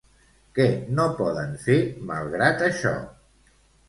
Què no poden fer, malgrat això?